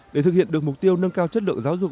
để thực hiện được mục tiêu nâng cao chất lượng giáo dục